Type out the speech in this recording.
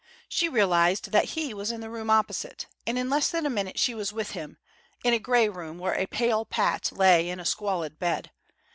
She realized that he was in the room opposite, and in less than a minute she was with him in a grey room where a pale Pat lay in a squalid bed.